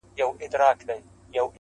زه غریب د جانان میني له پخوا وژلی ومه؛